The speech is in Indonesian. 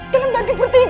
kalian bagi bertiga